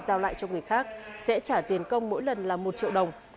giao lại cho người khác sẽ trả tiền công mỗi lần là một triệu đồng